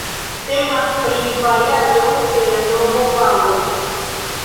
Temas pri variaĵo de la nomo "Paŭlo".